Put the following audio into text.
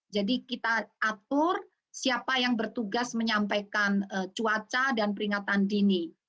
jadi kita atur siapa yang bertugas menyampaikan cuaca dan peringatan dini